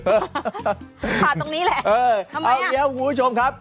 ผ่าตรงนี้แหละทำไมล่ะเอาเดี๋ยวคุณผู้ชมครับ